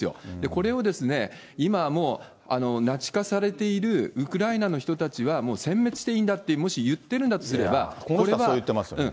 これを今はもう、ナチ化されている、ウクライナの人たちはもうせん滅していいんだって、もし言ってるこの人はそう言ってますね。